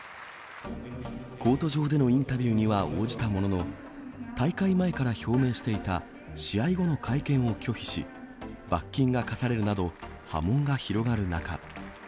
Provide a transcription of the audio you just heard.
コート上でのインタビューには応じたものの、大会前から表明していた、試合後の会見を拒否し、罰金が科されるなど波紋が広がる中。